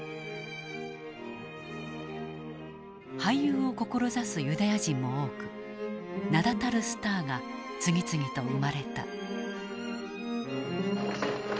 俳優を志すユダヤ人も多く名だたるスターが次々と生まれた。